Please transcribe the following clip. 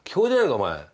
お前。